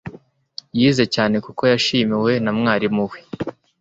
yize cyane kuko yashimiwe na mwarimu we